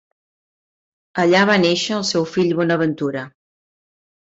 Allà va néixer el seu fill Bonaventura.